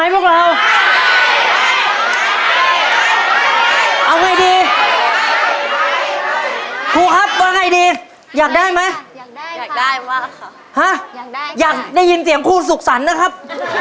แบบหนึ่งอยากได้ครับ